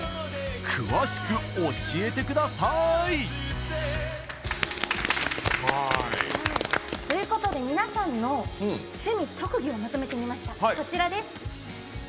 詳しく教えてくださーい！ということで皆さんの趣味・特技をまとめてみました。